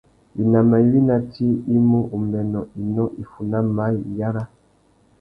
Winama iwí ná tsi i mú: umbênô, inó, iffuná, maye, iyara.